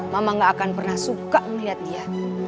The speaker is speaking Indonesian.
mama gak akan pernah suka melihat dia